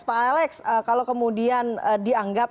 pak alex kalau kemudian dianggap